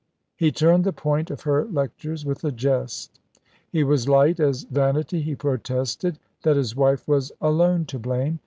He turned the point of her lectures with a jest. He was light as vanity. He protested that his wife was alone to blame.